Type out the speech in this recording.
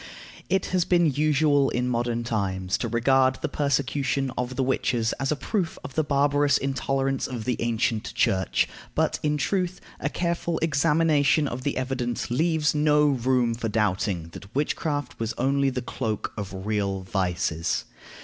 It has been usual in modern times to regard the persecution of the witches as a proof of the barbarous intolerance of the ancient Church; but, in truth, a careful examination of the evidence leaves no room for doubting that witchcraft was only the cloak of real vices.